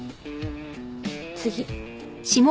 次。